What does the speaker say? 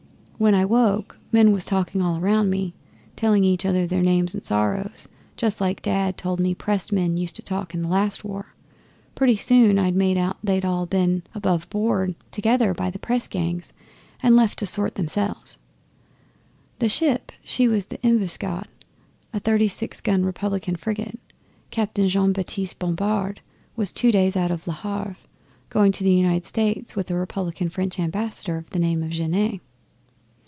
When I woke, men was talking all round me, telling each other their names and sorrows just like Dad told me pressed men used to talk in the last war. Pretty soon I made out they'd all been hove aboard together by the press gangs, and left to sort 'emselves. The ship she was the Embuscade, a thirty six gun Republican frigate, Captain Jean Baptiste Bompard, two days out of Le Havre, going to the United States with a Republican French Ambassador of the name of Genet.